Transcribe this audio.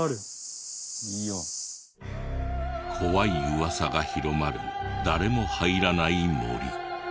怖い噂が広まる誰も入らない森。